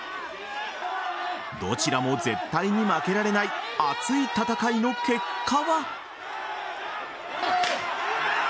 どちらも絶対に負けられない熱い戦いの結果は。